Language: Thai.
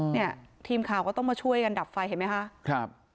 เนี่ยทีมข่าวก็ต้องมาช่วยกันดับไฟเห็นไหมคะครับ